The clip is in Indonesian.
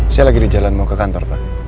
saya lagi di jalan mau ke kantor pak